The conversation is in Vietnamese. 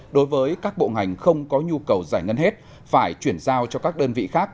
đối với các bộ ngành không có nhu cầu giải ngân hết phải chuyển giao cho các đơn vị khác